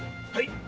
はい。